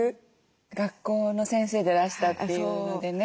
学校の先生でいらしたっていうのでね